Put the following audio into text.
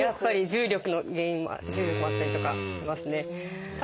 重力の原因も重力もあったりとかしますね。